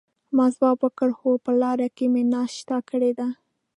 ما ځواب ورکړ: هو، په لاره کې مې ناشته کړې ده.